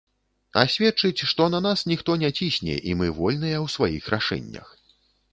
А сведчыць, што на нас ніхто не цісне і мы вольныя ў сваіх рашэннях.